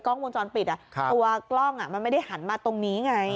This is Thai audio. วงจรปิดตัวกล้องมันไม่ได้หันมาตรงนี้ไง